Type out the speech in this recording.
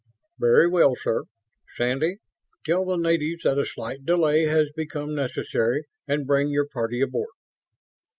"Very well, sir. Sandy, tell the natives that a slight delay has become necessary and bring your party aboard."